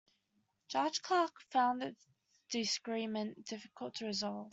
Judge Clark found this disagreement difficult to resolve.